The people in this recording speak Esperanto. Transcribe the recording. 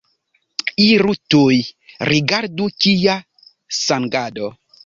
Iru tuj, rigardu, kia sangado!